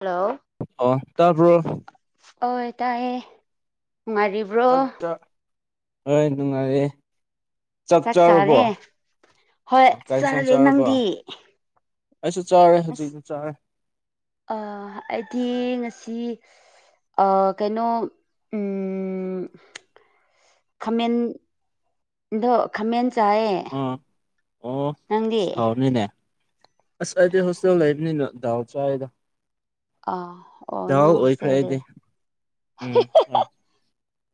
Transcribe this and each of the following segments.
hello ꯑꯣ ꯇꯥꯕ꯭ꯔꯣ ꯑꯣ ꯇꯥꯏꯌꯦ ꯃꯔ ꯆꯠ ꯍꯣꯏ ꯅꯨꯡꯉꯥꯏꯌꯦ ꯆꯞ ꯆꯥꯛ ꯆꯥꯔꯦ ꯆꯥꯔꯕꯣ ꯍꯣꯏ ꯀꯥꯏ ꯁꯪ ꯆꯥꯔꯦ ꯆꯥꯔꯕꯣ ꯅꯪꯗꯤ ꯑꯩꯁꯨ ꯆꯥꯔꯦ ꯍꯧꯖꯤꯛꯤ ꯆꯥꯔꯦ ꯑ ꯑꯩꯗꯤ ꯉꯁꯤ ꯀꯩꯅꯣ ꯈꯥꯃꯦꯟꯗꯣ ꯈꯥꯃꯦꯟ ꯆꯥꯏꯌꯦ ꯑ ꯑꯣ ꯅꯪꯗꯤ ꯆꯥꯎꯅꯤꯅꯦ ꯑꯁ ꯑꯩꯗꯤ ꯍꯣꯁꯇ ꯈꯪꯗꯦ ꯂꯩꯕꯅꯤ ꯗꯜ ꯆꯥꯗ ꯑ ꯑꯣ ꯅꯅꯥ ꯑꯣꯏꯈ꯭ꯔꯦ ꯑꯩꯗꯤ ꯍꯁꯦꯜꯗꯦꯔ ꯎꯝ ꯍꯣꯏ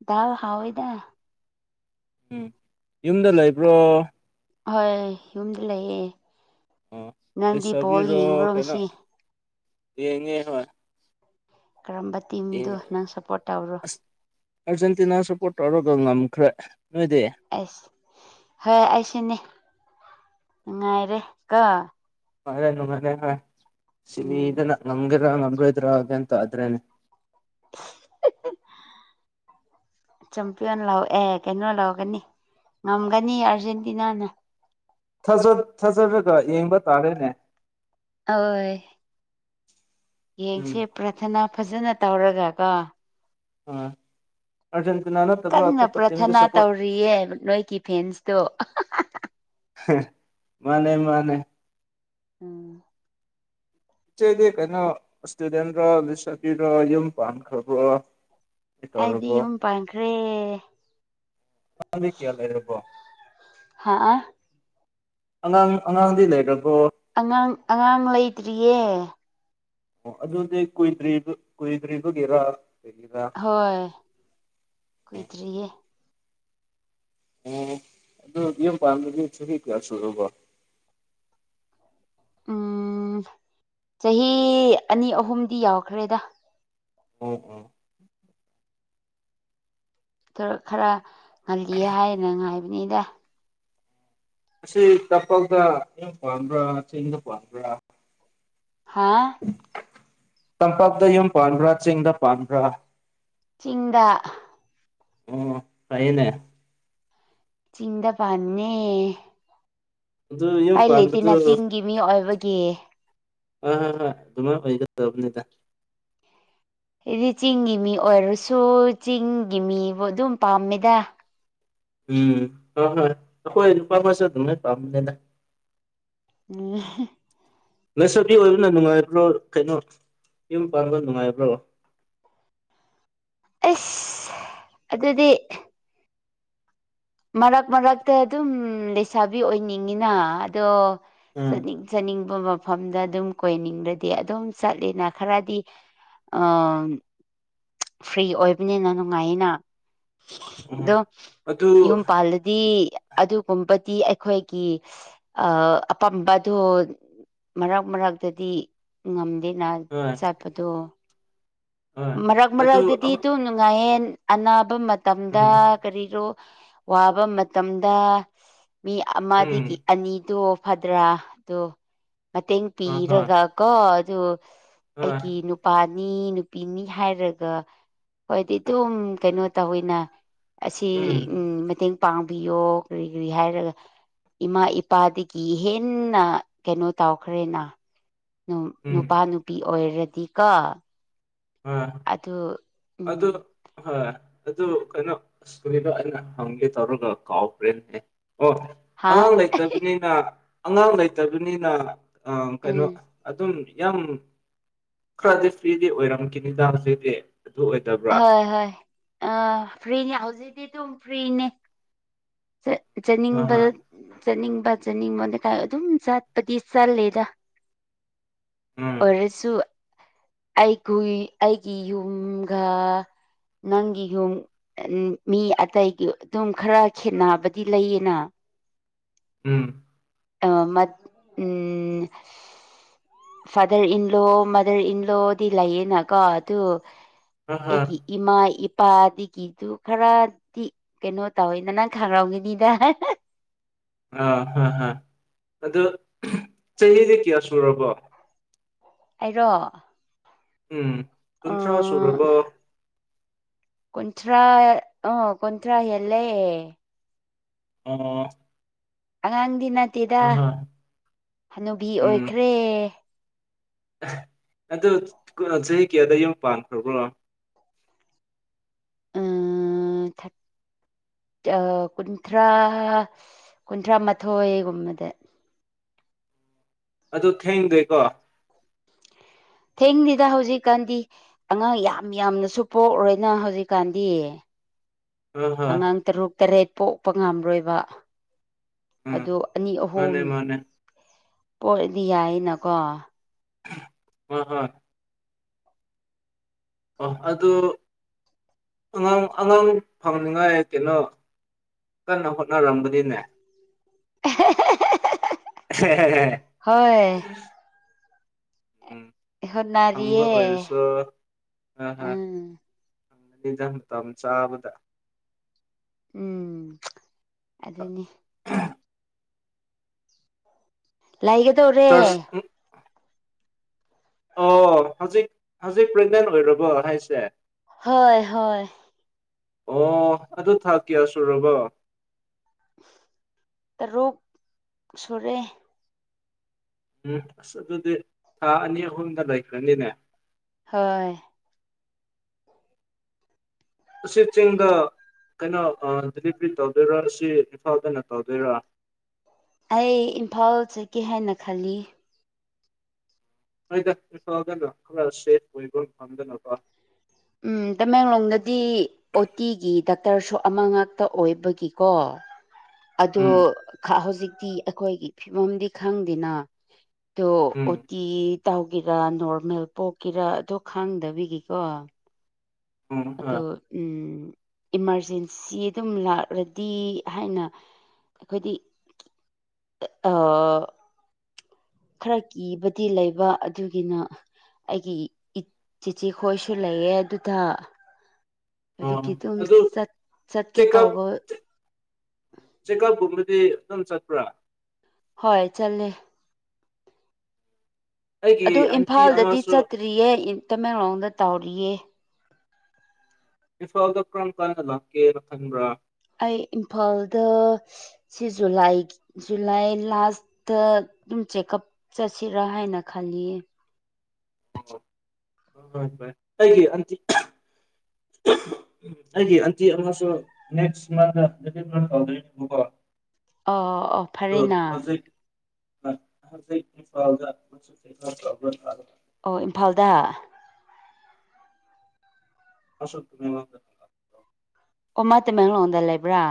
ꯗꯜ ꯍꯥꯎꯏꯗ ꯎꯝ ꯌꯨꯝꯗ ꯂꯩꯕ꯭ꯔꯣ ꯍꯣꯏ ꯌꯨꯝꯗ ꯂꯩꯌꯦ ꯑꯣ ꯅꯪꯗꯤ ꯄꯣꯜ ꯂꯩꯁꯥꯕꯤꯔꯣ ꯌꯦꯡꯕ꯭ꯔꯣ ꯀꯩꯅꯣ ꯉꯁꯤ ꯌꯦꯡꯉꯦ ꯍꯣꯢ ꯀꯔꯝꯕ ꯇꯤꯝꯗꯨ ꯅꯪ ꯁꯞꯄꯣꯔꯠ ꯇꯧꯔꯣ ꯑꯁ ꯑꯥꯔꯖꯦꯟꯇꯤꯅꯥ ꯁꯞꯄꯣꯔꯠ ꯇꯧꯔꯒ ꯉꯝꯈ꯭ꯔꯦ ꯅꯣꯏꯗꯤ ꯑꯩꯁ ꯍꯣꯏ ꯑꯩꯁꯤꯅꯦ ꯅꯨꯡꯉꯥꯏꯔꯦ ꯀ ꯃꯥꯦ ꯅꯅꯨꯡꯃꯅꯦ ꯁꯤ ꯎꯝ ꯏꯅ ꯅꯪꯒꯗꯔꯣ ꯅꯪꯗ꯭ꯔꯣꯑꯦ ꯇ ꯑꯗꯨ꯭ꯔꯦꯅꯦ ꯆꯝꯄꯤꯌꯟ ꯂꯥꯛꯑꯣ ꯑꯦ ꯀꯩꯅꯣ ꯂꯥꯛꯑꯣꯒꯅꯤ ꯉꯝꯒꯅꯤ ꯑꯥꯔꯖꯦꯟꯇꯤꯅꯥꯅ ꯊꯥꯖꯔꯒ ꯌꯦꯡꯕ ꯇꯥꯔꯦꯅꯦ ꯍꯣꯏ ꯎꯝ ꯌꯦꯡꯁꯦ ꯄ꯭ꯔꯊꯅꯥ ꯐꯖꯅ ꯇꯧꯔꯒ ꯀꯣ ꯑ ꯑꯔꯖꯦꯟꯇꯅꯥꯅ ꯀꯟꯅ ꯄ꯭ꯔꯊꯅꯥ ꯇꯧꯔꯤꯌꯦ ꯅꯣꯏꯒꯤ ꯐꯦꯟꯁꯇꯣ ꯃꯥꯅꯦ ꯃꯥꯅꯦ ꯎꯝ ꯗꯤ ꯀꯅꯣ ꯏꯁꯇꯨꯗꯦꯟ ꯔꯕꯤꯁꯇ ꯔ ꯌꯨꯝ ꯐꯥꯟ ꯈꯕ ꯑꯩꯗꯤ ꯌꯨꯝ ꯄꯥꯡꯈ꯭ꯔꯦ ꯀ ꯂꯩꯔꯕꯣ ꯍꯥꯥ ꯑꯥ ꯑꯉꯥꯡ ꯑꯉꯥꯡꯗꯤ ꯂꯩꯈ꯭ꯔꯕꯣ ꯑꯉꯥꯡ ꯑꯉꯥꯡ ꯂꯩꯇ꯭ꯔꯤꯌꯦ ꯑꯣ ꯑꯗꯨꯗꯤ ꯀꯣꯏꯗ꯭ꯔꯤꯕ ꯀꯣꯏꯗ꯭ꯔꯤꯒꯦꯔ ꯍꯣꯏ ꯀꯨꯏꯗ꯭ꯔꯤꯌꯦ ꯑꯣ ꯑꯗꯨ ꯌꯨꯝ ꯄꯥꯝꯗꯗꯤ ꯁꯨꯔꯤ ꯀꯌꯥ ꯁꯔꯕꯣ ꯎꯝ ꯆꯍꯤ ꯑꯅꯤ ꯑꯍꯨꯝꯗꯤ ꯌꯥꯎꯛꯈ꯭ꯔꯦꯗ ꯑꯣ ꯑꯣ ꯇꯔ ꯈꯔ ꯉꯜꯂꯤ ꯍꯥꯏꯅ ꯉꯥꯏꯕꯅꯤꯗ ꯑꯁꯤ ꯇꯄꯥꯛꯇ ꯑꯪ ꯄꯥꯟꯕ꯭ꯔꯥ ꯆꯤꯡꯗ ꯄꯥꯟꯕ꯭ꯔꯥ ꯍꯥꯥ ꯇꯝꯄꯥꯛꯇ ꯌꯨꯝ ꯄꯥꯟꯕ꯭ꯔꯥ ꯆꯤꯡꯗ ꯄꯥꯟꯕ꯭ꯔꯥ ꯆꯤꯡꯗ ꯑꯣ ꯐꯩꯅꯦ ꯆꯤꯡꯗ ꯄꯥꯟꯅꯤ ꯑꯗꯨ ꯌꯨꯝ ꯄꯥꯏ ꯄꯥꯟꯕꯗꯨ ꯂꯩꯇꯅ ꯆꯤꯡꯒꯤ ꯃꯤ ꯑꯣꯏꯕꯒꯤ ꯑ ꯍ ꯍꯣꯏ ꯑꯗꯨꯃꯥꯏ ꯑꯣꯏꯒꯗꯕꯅꯤꯗ ꯍꯥꯏꯗꯤ ꯆꯤꯡꯒꯤ ꯃꯤ ꯑꯣꯏꯔꯁꯨ ꯆꯤꯡꯒꯤ ꯃꯤꯕꯨ ꯑꯗꯨꯝ ꯄꯥꯝꯃꯦꯗ ꯎꯝ ꯍꯣꯏ ꯍꯣꯏ ꯑꯩꯈꯣꯏ ꯂꯨꯄꯥ ꯑꯃꯁꯨ ꯑꯗꯨꯝ ꯂꯣꯏ ꯄꯥꯝꯕꯅꯤꯗ UNINTELLIGIBLE ꯂꯩꯁꯥꯕꯤ ꯑꯣꯏꯕꯅ ꯅꯨꯡꯉꯥꯏꯕ꯭ꯔꯣ ꯀꯩꯅꯣ ꯌꯨꯝ ꯄꯥꯟꯕ ꯅꯨꯡꯉꯥꯏꯕ꯭ꯔꯣ ꯑꯁ ꯑꯗꯨꯗꯤ ꯃꯔꯛ ꯃꯔꯛꯇ ꯑꯗꯨꯝ ꯂꯩꯁꯥꯕꯤ ꯑꯣꯏꯅꯤꯡꯉꯤꯅ ꯑꯗꯣ ꯎꯝ ꯆꯠꯅꯤꯡ ꯆꯠꯅꯤꯡꯕ ꯃꯐꯝꯗ ꯑꯗꯨꯝ ꯀꯣꯏꯅꯤꯡꯗꯗꯤ ꯑꯗꯨꯝ ꯆꯠꯂꯤꯅ ꯈꯔꯗꯤ ꯑ ꯐ꯭ꯔꯤ ꯑꯣꯏꯕꯅꯤꯅ ꯅꯨꯡꯉꯥꯏꯅ ꯎꯝ ꯑꯗꯣ ꯑꯗꯨ ꯌꯨꯝꯄꯥꯥꯜꯗꯗꯤ ꯑꯗꯨꯒꯨꯝꯕꯗꯤ ꯑꯩꯈꯣꯏꯒꯤ ꯑ ꯑꯄꯥꯝꯕꯗꯣ ꯃꯔꯛ ꯃꯔꯛꯇꯗꯤ ꯉꯝꯗꯦꯅ ꯍꯣꯏ ꯆꯠꯄꯗꯣ ꯍꯣꯏ ꯃꯔꯛ ꯑꯗꯨ ꯃꯔꯛꯇꯗꯤ ꯑꯃ ꯇ ꯅꯨꯡꯉꯥꯏꯌꯦꯟ ꯑꯅꯥꯕ ꯃꯇꯝꯗ ꯎꯝ ꯀꯔꯤꯔꯣ ꯋꯥꯕ ꯃꯇꯝꯗ ꯃꯤ ꯎꯝ ꯑꯃꯗꯒꯤ ꯑꯅꯤꯗꯣ ꯐꯗ꯭ꯔꯥ ꯑꯗꯣ ꯃꯇꯦꯡ ꯍꯣꯏ ꯍꯣꯏ ꯄꯤꯔꯒ ꯀꯣ ꯑꯗꯨ ꯍꯣꯏ ꯑꯩꯒꯤ ꯅꯨꯄꯥꯅꯤ ꯄꯤꯅꯤ ꯍꯥꯏꯔꯒ ꯍꯣꯏꯗꯤ ꯑꯗꯨꯝ ꯀꯩꯅꯣ ꯇꯧꯋꯤꯅ ꯑꯁꯤ ꯎꯝ ꯃꯇꯦꯡ ꯄꯥꯡꯕꯤꯌꯣ ꯀꯔꯤ ꯀꯔꯤ ꯍꯥꯏꯔꯒ ꯏꯃꯥ ꯏꯄꯥꯗꯒꯤ ꯍꯦꯟꯅ ꯀꯩꯅꯣ ꯇꯧꯈ꯭ꯔꯦꯅ ꯎꯝ ꯅꯨꯄꯥ ꯅꯨꯄꯤ ꯑꯣꯏꯔꯗꯤꯀꯣ ꯑ ꯑꯗꯨ ꯑꯗꯨ ꯎꯝ ꯍꯣꯏ ꯑꯗꯨ ꯀꯩꯅꯣ ꯁ꯭ꯀꯨꯜꯗꯣ ꯑꯩꯅ ꯍꯪꯒꯦ ꯇꯧꯔꯒ ꯀꯥꯎꯕ꯭ꯔꯦꯅ ꯑꯣ ꯍꯥ ꯑꯉꯥꯡ ꯂꯩꯇꯕꯅꯤ ꯑꯉꯥꯡ ꯂꯩꯇꯕꯅꯤꯅ ꯎꯝ ꯀꯩꯅꯣ ꯑꯗꯨꯝ ꯌꯥꯝ ꯈꯔꯗꯤ ꯐ꯭ꯔꯤꯗꯤ ꯑꯣꯏꯔꯝꯈꯤꯦ ꯗꯥꯡꯁꯤꯗꯤ ꯑꯗꯨ ꯑꯣꯏ ꯍꯣꯏ ꯍꯣꯏ ꯐ꯭ꯔꯤꯅꯤ ꯍꯧꯖꯤꯛꯇꯤ ꯑꯗꯨꯝ ꯐ꯭ꯔꯤꯅꯤ ꯑ ꯆꯥꯅꯤꯡꯕ ꯍ ꯆꯠꯅꯤꯡꯕ ꯆꯥꯅꯤꯡꯕ ꯂꯩꯀꯥꯏ ꯑꯗꯨꯝ ꯆꯠꯄꯗꯤ ꯆꯠꯂꯦꯗ ꯎꯝ ꯑꯣꯏꯁꯨꯨ ꯑꯩꯈꯏ ꯑꯩꯒꯤ ꯌꯨꯝꯒ ꯅꯪꯒꯤ ꯌꯨꯝ ꯃꯤ ꯑꯇꯩꯒꯤ ꯑꯗꯨꯝ ꯈꯔ ꯈꯦꯠꯅꯕꯗꯤ ꯂꯩꯌꯦꯅ ꯎꯝ ꯑ ꯃ ꯎꯝ ꯐꯥꯗꯔ ꯏꯟꯂꯣ ꯃꯥꯗꯔ ꯏꯟꯂꯣꯗꯤ ꯂꯩꯌꯦꯅ ꯀꯣ ꯑꯗꯨ ꯑ ꯍ ꯑꯩꯒꯤ ꯏꯃꯥ ꯏꯄꯥꯗꯒꯤ ꯑꯩꯗꯨ ꯈꯔꯗꯤ ꯀꯩꯅꯣ ꯇꯧꯋꯦꯅ ꯅꯪ ꯈꯥꯡꯔꯝꯒꯤꯅꯤꯗ ꯑꯥ ꯍꯥꯏ ꯍꯥ ꯑꯗꫭ ꯆꯍꯤꯗꯤ ꯀꯌꯥ ꯁꯨꯔꯕꯣ ꯑꯩꯔꯣ ꯎꯝ ꯀꯨꯟꯊ꯭ꯔꯥ ꯑꯥ ꯁꯨꯔꯕꫭ ꯀꯟꯊ꯭ꯔꯥ ꯑꯣ ꯀꯟꯊ꯭ꯔꯥ ꯍꯂꯦ ꯑꯣ ꯑꯉꯥꯡꯗꯤ ꯅꯠꯇꯦꯗ ꯑ ꯍ ꯍꯅꯨꯕꯤ ꯎꯝ ꯑꯣꯏꯈ꯭ꯔꯦ ꯑꯗꯨ ꯀꯣ ꯆꯍꯤ ꯀꯌꯥꯗ ꯌꯨꯝ ꯄꯥꯟꯈ꯭ꯔꯕ꯭ꯔꯣ ꯑ ꯊꯠ ꯀꯨꯟꯊ꯭ꯔꯥ ꯀꯨꯟꯊ꯭ꯔꯥ ꯃꯥꯊꯣꯏꯒꯨꯝꯕꯗ ꯑꯗꯨ ꯊꯦꯡꯗꯦꯀꯣ ꯊꯦꯡꯅꯤꯗ ꯍꯧꯖꯤꯛꯀꯥꯟꯗꯤ ꯑꯉꯥꯡ ꯌꯥꯝ ꯌꯥꯝꯅꯁꯨ ꯄꯣꯛꯎꯔꯣꯏꯅ ꯍꯧꯖꯤꯛꯀꯥꯟꯗꯤ ꯑ ꯍ ꯑꯉꯥꯡ ꯇꯔꯨꯛ ꯇꯔꯦꯠ ꯄꯣꯛꯄ ꯉꯝꯔꯣꯏꯕ ꯎꯝ ꯑꯗꫭ ꯑꯅꯤ ꯑꯍꯨꯝ ꯃꯥꯅꯦ ꯃꯥꯅꯦ ꯄꯣꯔꯗꯤ ꯌꯥꯏꯌꯦꯅꯀꯣ ꯍꯣꯏ ꯍꯣꯏ ꯑꯣ ꯑꯗꯣ ꯑꯉꯥꯡ ꯑꯉꯥꯡ ꯐꯪꯅꯤꯉꯥꯏ ꯀꯩꯅꯣ ꯀꯟꯅ ꯍꯣꯠꯅꯔꯝꯕꯅꯤꯅꯦ ꯍ ꯎꯝ ꯑꯝꯕ ꯍꯣꯠꯅꯔꯤꯌꯦ ꯑꯣꯏꯔꯁꯨ ꯑ ꯎꯝ ꯍꯪꯅꯤꯗ ꯃꯇꯝ ꯆꯥꯕꯗ ꯎꯝ ꯑꯗꯨꯅꯤ ꯂꯩꯒꯗꯧꯔꯦ ꯆꯔꯆ ꯎꯝ ꯑꯣ ꯍꯧꯖꯤꯛ ꯍꯧꯖꯤꯛ ꯄ꯭ꯔꯦꯒꯅꯦꯟ ꯑꯣꯏꯔꯕ ꯍꯥꯏꯁꯦ ꯍꯣꯏ ꯍꯣꯏ ꯑꯣ ꯑꯗꯨ ꯊꯥ ꯀꯌꯥ ꯁꯨꯔꯕꯣ ꯇꯔꯨꯛ ꯁꯨꯔꯦ ꯎꯝ ꯑꯁ ꯑꯗꯨꯗꯤ ꯊꯥ ꯑꯅꯤ ꯑꯍꯨꯝꯗ ꯂꯩꯈ꯭ꯔꯅꯤꯅꯦ ꯍꯣꯏ ꯑꯁꯤ ꯆꯤꯡꯗ ꯀꯩꯅꯣ ꯑ ꯗꯤꯂꯤꯕꯔꯤ ꯇꯧꯗꯣꯏꯔꯥ ꯑꯁꯤ ꯏꯝꯐꯥꯜꯗꯅ ꯇꯧꯗꯣꯏꯔꯥ ꯑꯩ ꯏꯝꯐꯥꯜ ꯆꯠꯀꯦ ꯍꯥꯏꯅ ꯈꯜꯂꯤ ꯍꯣꯏꯗ ꯏꯝꯐꯥꯜꯗꯅ ꯈꯪꯉꯜꯂꯁꯦ ꯑꯣꯏꯕ ꯉꯝꯗꯅꯕ ꯎꯝ ꯇꯃꯦꯡꯂꯣꯡꯗꯗꯤ ꯑꯣ ꯇꯤꯒꯤ ꯗꯥꯛꯇꯔꯁꯨ ꯑꯃ ꯉꯥꯛꯇ ꯑꯣꯏꯕꯒꯤꯀꯣ ꯑꯗꯣ ꯎꯝ ꯈꯥ ꯍꯧꯖꯤꯛꯇꯤ ꯑꯩꯈꯣꯏꯒꯤ ꯐꯤꯕꯝꯗꯤ ꯈꯪꯗꯦꯅ ꯗꯣ ꯎꯝ ꯑꯣ ꯇꯤ ꯇꯥꯎꯒꯦꯔꯥ ꯅꯣꯔꯃꯦꯜ ꯄꯣꯛꯀꯦꯔꯥ ꯑꯗꯣ ꯈꯪꯗꯕꯤꯒꯤꯀꯣ ꯎꯝ ꯍꯣꯏ ꯑꯗꯣ ꯎꯝ ꯏꯃꯥꯔꯖꯦꯟꯁꯤ ꯑꯗꯨꯝ ꯂꯥꯛꯔꯗꯤ ꯍꯥꯏꯅ ꯑꯩꯈꯣꯏꯗꯤ ꯑ ꯑꯥ ꯈꯔ ꯀꯤꯕꯗꯤ ꯂꯩꯕ ꯑꯗꯨꯒꯤꯅ ꯑꯩꯒꯤ ꯏ ꯆꯤꯆꯦ ꯈꯣꯏꯁꯨ ꯂꯩꯌꯦ ꯑꯗꯨꯗ ꯑꯣ ꯑꯗꯨꯀꯤ ꯑꯗꯨꯝ ꯑꯗꯨ ꯆꯠ ꯆꯠꯀꯦ ꯇꯧꯕ ꯆꯦꯛꯀꯜꯀꯨꯝꯕꯗꯤ ꯑꯗꯨꯝ ꯆꯠꯄ꯭ꯔꯥ ꯍꯣꯏ ꯆꯠꯂꯦ ꯑꯩꯒꯤ ꯑꯗꯨ ꯑꯟꯇꯤ ꯏꯝꯐꯥꯜꯗꯗꯤ ꯑꯃꯁꯨ ꯆꯠꯇ꯭ꯔꯤꯌꯦ ꯏꯟ ꯇꯃꯦꯡꯂꯣꯡꯗ ꯇꯧꯔꯤꯌꯦ ꯏꯟꯐꯥꯜꯗ ꯀ꯭ꯔꯝ ꯀꯥꯟꯗ ꯂꯥꯛꯀꯦꯔ ꯈꯟꯕ꯭ꯔꯥ ꯑꯩ ꯏꯝꯐꯥꯜꯗ ꯁꯤ ꯖꯨꯂꯥꯏꯒꯤ ꯖꯨꯂꯥꯏ ꯂꯥꯁꯇ ꯗꯨꯝ ꯆꯦꯛꯑꯞ ꯆꯠꯁꯤꯔꯥ ꯍꯥꯏꯅ ꯈꯜꯂꯤꯌꯦ ꯍꯣꯏ ꯑꯗꯨꯃꯥꯏ [unintelligible] ꯎꯝ ꯑꯩꯒꯤ ꯑꯟꯇꯤ ꯑꯃꯁꯨ ꯅꯦꯛꯁ ꯃꯟꯗ [unintelligible] ꯇꯧꯗꯣꯏꯅꯦꯕꯀꯣ ꯑꯣ ꯑꯣ ꯑꯣ ꯗꯣ ꯐꯔꯦꯅ ꯍꯧꯖꯤꯛ ꯑ ꯍꯧꯖꯤꯛ ꯏꯝꯐꯥꯜꯗ [unintelligible] ꯑꯣ ꯏꯝꯐꯥꯜꯗ ꯑꯁꯨꯛ ꯃꯤꯃꯥꯡꯗ ꯑꯣ ꯃꯥ ꯇꯃꯦꯡꯂꯣꯡꯗ ꯂꯩꯕ꯭ꯔꯥ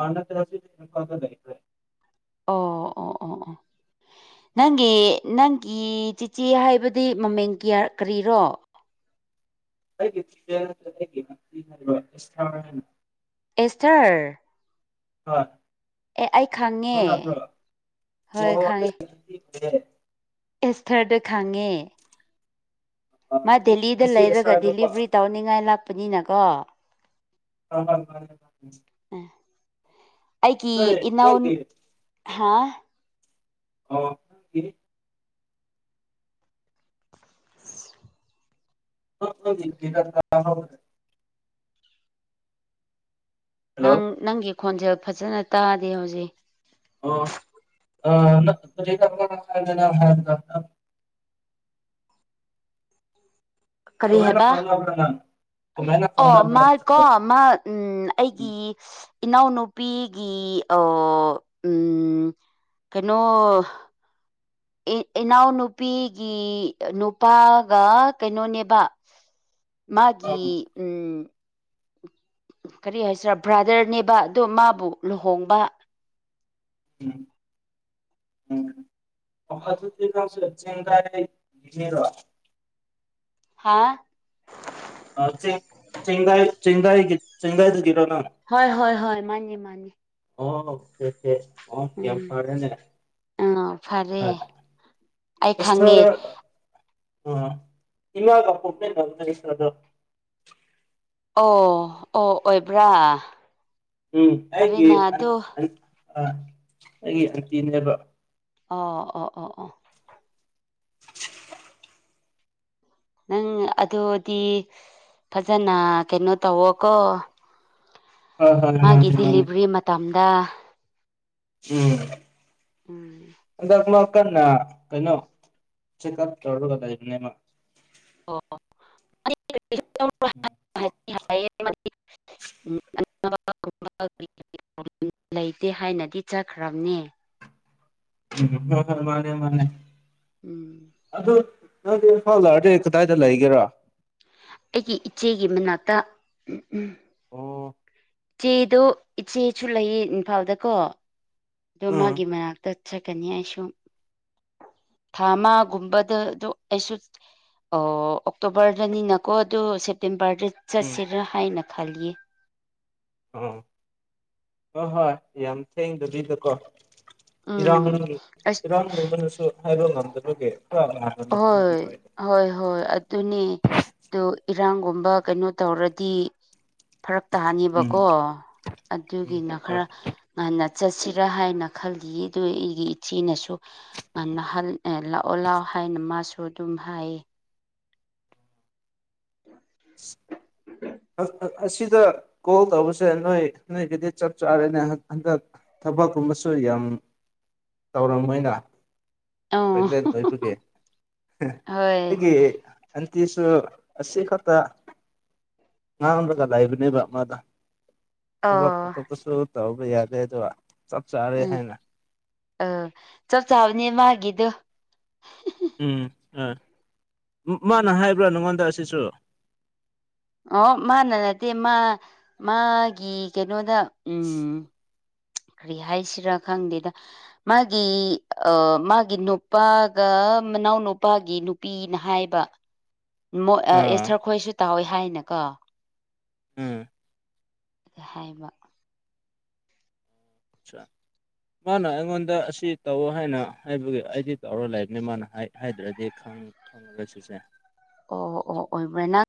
ꯑ ꯅꯠꯇꯦ ꯅꯠꯇꯦ [unintelligible] ꯂꯩꯈ꯭ꯔꯦ ꯑꯣ ꯑꯣ ꯑꯣ ꯑꯣ ꯅꯪꯒꯤ ꯅꯪꯒꯤ ꯆꯤꯆꯦ ꯍꯥꯏꯕꯗꯤ ꯃꯃꯤꯡ ꯀꯌꯥꯔ ꯀꯔꯤꯔꯣ ꯑꯩꯒꯤ ꯆꯤꯆꯦ [unintelligible] ꯑꯦꯁꯇꯔ ꯍꯣꯏ ꯑꯦ ꯑꯩ ꯈꯪꯉꯦ ꯈꯪꯅꯕꯔꯣ ꯍꯣꯏ ꯑꯣ ꯅꯣꯏ [unintelligible] [inaudible] ꯑꯦꯁꯊꯔꯗꯣ ꯈꯪꯉꯦ ꯑꯥ ꯃꯥ ꯗꯦꯂꯤꯗ ꯉꯁꯤ ꯂꯩꯔꯒ ꯑꯦꯁꯊꯔꯗꯀꯣ ꯗꯤꯂꯤꯚꯔꯤ ꯇꯧꯅꯤꯡꯉꯥꯏ ꯂꯥꯛꯄꯅꯤꯅꯀꯣ [unintelligible] ꯑꯩꯒꯤ ꯅꯣꯏ ꯏꯅꯥꯎꯟ ꯅꯣꯏꯒꯤ ꯍꯥ ꯑꯣ [inaudible] ꯍꯜꯂꯣ ꯅꯪ ꯅꯪꯒꯤ ꯈꯣꯟꯖꯦꯜ ꯐꯖꯅ ꯇꯥꯗꯦ ꯍꯧꯖꯤꯛ ꯑꯣ ꯑꯥ ꯅꯪ [unintelligible] ꯀꯔꯤ ꯍꯥꯏꯕ [unintelligible] ꯑꯣ ꯈꯪꯅꯕ꯭ꯔꯥ ꯃꯥ ꯀꯣ ꯑꯦꯁꯇꯔꯗꯣ ꯃꯥ ꯎꯝ ꯑꯩꯒꯤ ꯏꯅꯥꯎꯅꯨꯄꯤꯒꯤ ꯑꯣ ꯎꯝ ꯀꯩꯅꯣ ꯑꯦ ꯏꯅꯥꯎꯅꯨꯄꯤꯒꯤ ꯅꯨꯄꯥꯒ ꯀꯩꯅꯣꯅꯦꯕ ꯃꯥꯒꯤ ꯑꯪ ꯎꯝ ꯀꯔꯤ ꯍꯥꯏꯁꯤꯔꯥ ꯕ꯭ꯔꯥꯗꯔꯅꯦꯕ ꯑꯗꯣ ꯃꯥꯕꯨ ꯂꯨꯍꯣꯡꯕ ꯎꯝ [unintelligible] ꯍꯥꯥ ꯆ ꯆꯦꯡ ꯆꯦꯡꯒꯥꯏ ꯆꯦꯡꯒꯥꯏ ꯆꯦꯒꯥꯏꯗꯒꯤꯔꯣ ꯅꯪ ꯍꯣꯏ ꯍꯣꯏ ꯍꯣꯏ ꯃꯥꯅꯤ ꯃꯥꯅꯤ ꯑꯣ ꯍꯦ ꯍꯦ ꯎꯝ ꯎꯝ ꯐꯔꯦ ꯑꯩ ꯈꯪꯉꯦ ꯑ [unintelligible] ꯑꯣ ꯑꯣ ꯑꯣꯏꯕ꯭ꯔꯥ ꯎꯝ ꯑꯩꯒꯤ ꯐꯔꯦꯅ ꯑꯗꯨ ꯑꯩꯒꯤ ꯑꯟꯇꯤꯅꯦꯕ ꯑꯣ ꯑꯣ ꯑꯣ ꯑꯣ ꯅꯪ ꯑꯗꯨꯗꯤ ꯐꯖꯅ ꯀꯩꯅꯣ ꯇꯧꯋꯣꯀꯣ ꯍꯣꯏ ꯍꯣꯏ ꯃꯥꯒꯤ ꯃꯥꯅꯦ ꯃꯥꯅꯦ ꯗꯤꯂꯤꯚꯔꯤ ꯃꯇꯝꯗ ꯎꯝ ꯎꯝ ꯍꯟꯗꯛ ꯑꯃ ꯀꯟꯅ ꯀꯩꯅꯣ ꯆꯦꯛꯀꯞ ꯇꯧꯔꯒ ꯂꯩꯕꯅꯦꯃ ꯑꯣ [unintelligible] [inaudible] [unintelligible] [unintelligible] ꯂꯩꯇꯦ ꯍꯥꯏꯅꯗꯤ ꯆꯠꯈ꯭ꯔꯝꯅꯦ ꯍꯣ ꯍꯣꯏ ꯃꯥꯅꯦ ꯃꯥꯅꯦ ꯎꯝ ꯑꯗꯨ ꯅꯪꯗꯣ ꯏꯝꯐꯥꯜ ꯂꯑꯔꯗꯤ ꯀꯗꯥꯏꯗ ꯂꯩꯒꯦꯔꯣ ꯑꯩꯒꯤ ꯏꯆꯦꯒꯤ ꯃꯅꯥꯛꯇ ꯎꯝ ꯑꯣ ꯆꯦꯗꯣ ꯏꯆꯦꯁꯨ ꯂꯩꯌꯦ ꯏꯝꯐꯥꯜꯗꯀꯣ ꯑꯗꯣ ꯎꯝ ꯃꯥꯒꯤ ꯃꯅꯥꯛꯇ ꯆꯠꯀꯅꯤ ꯑꯩꯁꯨ ꯊꯥ ꯑꯃꯒꯨꯝꯕꯗ ꯑꯗꯨ ꯑꯩꯁꯨ ꯑꯣ ꯑꯣꯛꯇꯣꯕꯔꯗꯅꯤꯅꯀꯣ ꯑꯗꯨ ꯁꯦꯞꯇꯦꯝꯕꯔꯗ ꯎꯝ ꯆꯠꯁꯤꯔꯥ ꯍꯥꯏꯅ ꯈꯜꯂꯤꯌꯦ ꯑꯣ ꯍꯣꯏ ꯍꯣꯏ ꯌꯥꯝ ꯊꯦꯡꯗꯕꯤꯗꯀꯣ ꯏꯔꯥꯡ ꯎꯝ ꯑꯁ ꯏꯔꯥꯡꯇꯨꯝꯕꯅꯁꯨ ꯍꯥꯏꯕ ꯉꯝꯗꯕꯒꯤ ꯈꯔ ꯍꯥꯟꯕ ꯃꯐꯝꯗꯤ ꯍꯣꯏ ꯍꯣꯏ ꯍꯣꯏ ꯑꯗꯨꯅꯦ ꯑꯗꯨ ꯏꯔꯥꯡꯒꯨꯝꯕ ꯀꯩꯅꯣ ꯇꯧꯔꯗꯤ ꯐꯔꯛ ꯎꯝ ꯇꯥꯅꯤꯕꯀꯣ ꯎꯝ ꯑꯗꯨꯒꯤꯅ ꯈꯔ ꯉꯥꯟꯅ ꯆꯠꯁꯤꯔꯥ ꯍꯥꯏꯅ ꯈꯜꯂꯤꯌꯦ ꯑꯗꯨ ꯑꯩꯒꯤ ꯏꯆꯦꯅꯁꯨ ꯅꯍꯜ ꯂꯥꯛꯑꯣ ꯂꯥꯛꯑꯣ ꯍꯥꯏꯅ ꯃꯥꯁꯨ ꯑꯗꯨꯝ ꯍꯥꯏꯌꯦ ꯑꯁꯤꯗ ꯀꯣꯜ ꯇꯧꯕꯁꯦ ꯅꯣꯏ ꯅꯣꯏꯒꯤꯗꯤ ꯆꯞ ꯆꯥꯔꯦꯅꯦ ꯍꯟꯗꯛ ꯊꯕꯛꯀꯨꯝꯕꯁꯨ ꯌꯥꯝ ꯇꯧꯔꯝꯃꯣꯏꯅ ꯑꯧ ꯄꯦꯒꯅꯦꯟ ꯑꯣꯏꯕꯒꯤ ꯍꯣꯏ ꯑꯩꯒꯤ ꯑꯟꯇꯤꯁꯨ ꯑꯁꯤ ꯈꯠꯇ ꯉꯥꯡꯔꯒ ꯂꯩꯕꯅꯦꯕ ꯃꯥꯗꯣ ꯊꯕꯛ ꯑꯣ ꯑꯇꯣꯞꯄꯁꯨ ꯇꯧꯕ ꯌꯥꯗꯦ ꯑꯗꯨꯒ ꯆꯞ ꯆꯔꯦ ꯍꯥꯏꯅ ꯑ ꯆꯞ ꯆꯥꯕꯅꯦ ꯃꯥꯒꯤꯗꯣ ꯎꯝ ꯑ ꯃꯥꯅ ꯍꯥꯏꯕ꯭ꯔꯥ ꯅꯪꯉꯣꯟꯗ ꯁꯤꯁꯨ ꯑꯣ ꯃꯥꯅ ꯅꯠꯇꯦ ꯃꯥ ꯃꯥꯒꯤ ꯀꯩꯅꯣꯗ ꯎꯝ [inaudible] ꯀꯔꯤ ꯍꯥꯏꯁꯤꯔꯥ ꯈꯪꯗꯦꯗ ꯃꯥꯒꯤ ꯑ ꯃꯥꯒꯤ ꯅꯨꯄꯥꯒ ꯃꯅꯥꯎ ꯅꯨꯄꯥꯒꯤ ꯅꯨꯄꯤꯅ ꯍꯥꯏꯕ ꯃꯣꯏ ꯑꯥ ꯑꯦꯁꯊꯔ ꯈꯣꯏꯁꯨ ꯇꯧꯋꯦ ꯍꯥꯏꯅꯀꯣ ꯎꯝ ꯍꯥꯏꯕ ꯑꯆꯥ ꯃꯥꯅ ꯑꯩꯉꯣꯟꯗ ꯑꯁꯤ ꯇꯧꯑꯣ ꯍꯥꯏꯅ ꯍꯥꯏꯕꯒꯤ ꯑꯩꯗꯤ ꯇꯧꯔ ꯂꯩꯕꯅꯤ ꯃꯥꯅ ꯍꯥꯏꯗ꯭ꯔꯗꯤ ꯈꯪ [unintelligible] ꯑꯣ ꯑꯣ ꯑꯣꯏꯕ꯭ꯔꯥ ꯅꯪ